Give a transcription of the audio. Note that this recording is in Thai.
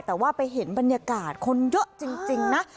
แต่ว่าไปเห็นบรรยากาศคนเยอะจริงนะ